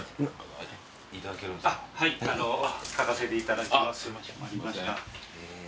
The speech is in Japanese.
書かせていただきます。